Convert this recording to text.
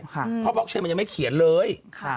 เพราะบล็อกเชนมันยังไม่เขียนเลย